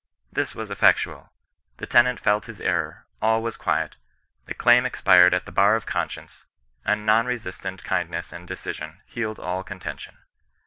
This was effectual. The tenant felt his error; all was quiet ; the claim expired at the bar of conscience ; and non resistant kindness and decision healed all contention.